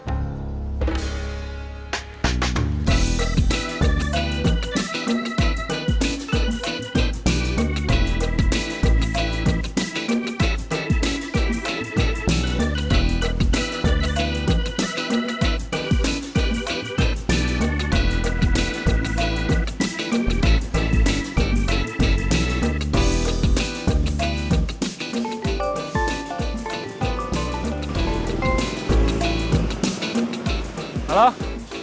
sedih rumah zitten